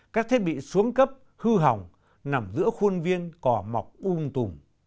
các thiết bị xuống cấp hư hỏng nằm giữa khuôn viên cò mọc ung tùm